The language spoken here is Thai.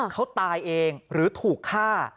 เขาตายเองหรือถูกฆ่า